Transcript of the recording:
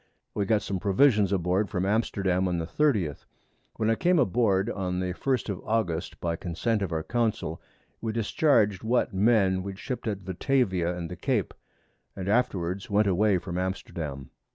We got some Provisions aboard from Amsterdam on the 30th. When I came aboard, on the 1st of August, by Consent of our Council, we discharg'd what Men we ship't at Batavia and the Cape, and afterwards went away from Amsterdam.